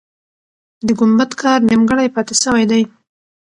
د ګمبد کار نیمګړی پاتې سوی دی.